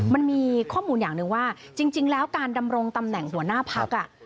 มันมีข้อมูลอย่างหนึ่งว่าจริงแล้วการดำรงตำแหน่งหัวหน้าพัก